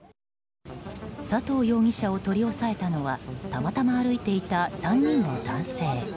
佐藤容疑者を取り押さえたのはたまたま歩いていた３人の男性。